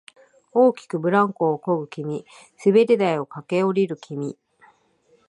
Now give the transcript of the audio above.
大きくブランコをこぐ君、滑り台を駆け下りる君、